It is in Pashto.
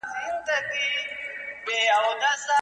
نه به شرنګ د توتکیو نه به رنګ د انارګل وي